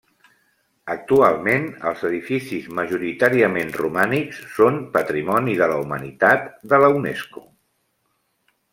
Actualment, els edificis majoritàriament romànics són Patrimoni de la Humanitat de la Unesco.